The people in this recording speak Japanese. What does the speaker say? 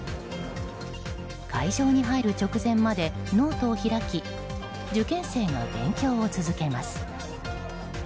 会場に入る直前までノートを開き受験生が勉強を続けます。